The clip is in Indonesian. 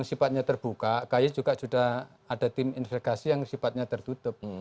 sifatnya terbuka k y juga sudah ada tim infekasi yang sifatnya tertutup